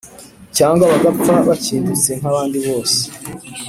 Cyangwa bagapfa bakindutsenkabandi bose